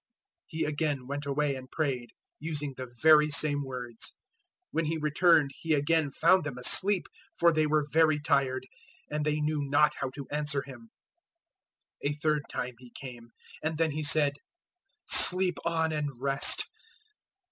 014:039 He again went away and prayed, using the very same words. 014:040 When He returned He again found them asleep, for they were very tired; and they knew not how to answer Him. 014:041 A third time He came, and then He said, "Sleep on and rest.